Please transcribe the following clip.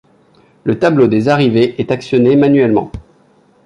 Le tableau des arrivées est actionné manuellement.